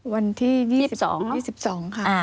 วันที่๒๒๒ค่ะ